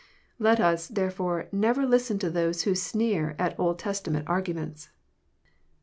Let us, therefore, never listen to those who sneer at Old Testament arguments.